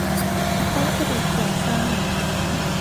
วัสดุก่อสร้าง